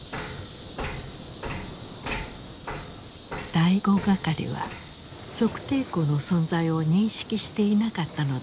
第五係は測定口の存在を認識していなかったのだろうか。